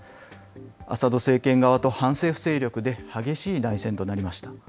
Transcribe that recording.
アサド政権側と反政府勢力で激しい内戦となりました。